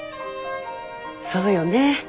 そうよね